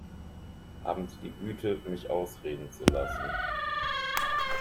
Haben Sie die Güte, mich ausreden zu lassen.